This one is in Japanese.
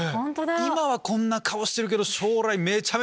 今はこんな顔してるけど。